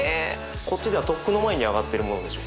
こっちではとっくの前に上がってるものでしょ？